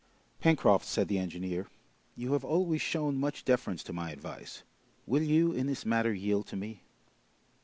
"Pencroft," said the engineer, "you have always shown much deference to my advice; will you, in this matter, yield to me?"